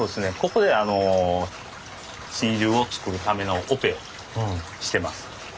ここで真珠を作るためのオペをしてます。